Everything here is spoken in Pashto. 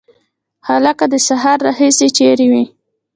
هلکه د سهار راهیسي چیري وې؟